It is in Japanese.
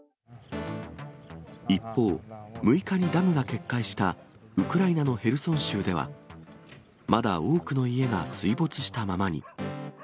一方、６日にダムが決壊したウクライナのヘルソン州では、まだ多くの家が水没したままに。